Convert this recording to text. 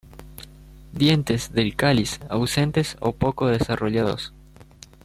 Dientes del cáliz ausentes o poco desarrollados.